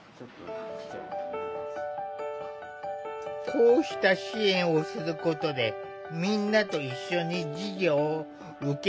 こうした支援をすることでみんなと一緒に授業を受けられる。